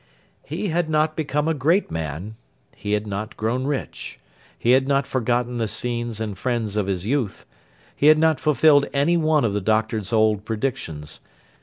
He had not become a great man; he had not grown rich; he had not forgotten the scenes and friends of his youth; he had not fulfilled any one of the Doctor's old predictions.